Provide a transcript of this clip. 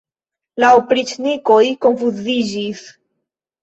La opriĉnikoj konfuziĝis.